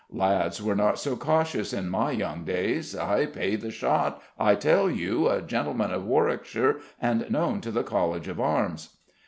"Lads were not so cautious in my young days. I pay the shot, I tell you a gentleman of Warwickshire and known to the College of Arms."